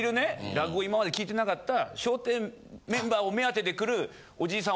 落語今まで聞いてなかった『笑点』メンバーを目当てで来るおじいさん